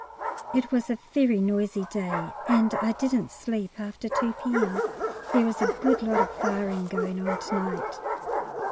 It was a very noisy day, and I didn't sleep after 2 P.M. There is a good lot of firing going on to night.